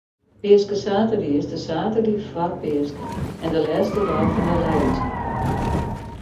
Peaskesaterdei is de saterdei foar Peaske en de lêste dei fan de lijenswike.